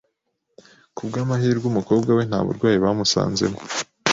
Ku bw’amahirwe, umukobwa we nta burwayi bamusanzemo